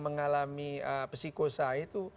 mengalami psikosa itu